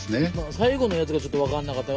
最後のやつがちょっとわかんなかった。